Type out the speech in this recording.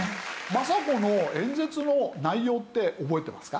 政子の演説の内容って覚えてますか？